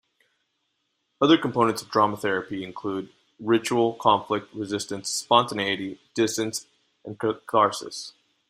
Other components of drama therapy include ritual, conflict, resistance, spontaneity, distance and catharsis.